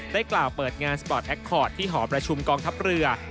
กล่าวเปิดงานสปอร์ตแอคคอร์ดที่หอประชุมกองทัพเรือ